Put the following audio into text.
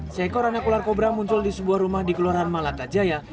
seekor anak ular kobra muncul di sebuah rumah di keluarhan malatajaya